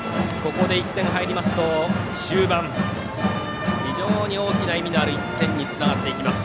ここで１点が入りますと終盤、非常に大きな意味のある１点につながっていきます。